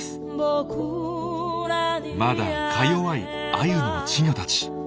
まだかよわいアユの稚魚たち。